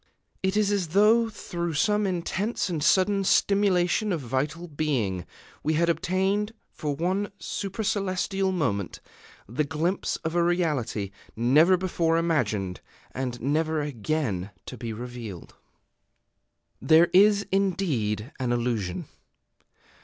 It is as though, through some intense and sudden stimulation of vital being, we had obtained for one supercelestial moment the glimpse of a reality, never before imagined, and never again to be revealed. There is, indeed, an illusion.